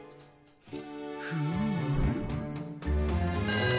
フーム。